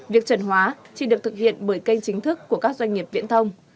việc trần hóa chỉ được thực hiện bởi kênh chính thức của các doanh nghiệp viễn thông